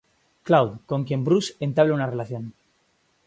Cloud con quien Bruce entabla una relación.